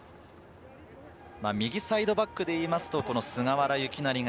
右サイドバックでいいますと、菅原由勢が